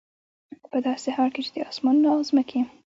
په داسي حال كي چي د آسمانونو او زمكي